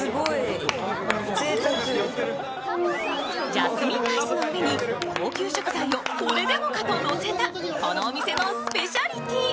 ジャスミンライスの上に高級食材をこれでもかとのせたこのお店のスペシャリティー。